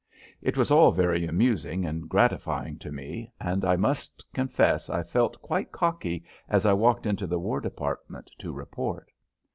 It was all very amusing and gratifying to me, and I must confess I felt quite cocky as I walked into the War Department to report.